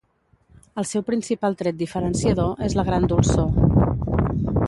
El seu principal tret diferenciador és la gran dolçor.